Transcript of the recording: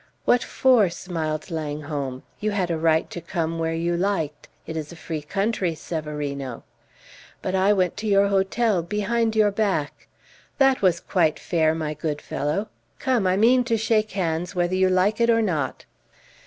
"What for?" smiled Langholm. "You had a right to come where you liked; it is a free country, Severino." "But I went to your hotel behind your back!" "That was quite fair, my good fellow. Come, I mean to shake hands, whether you like it or not."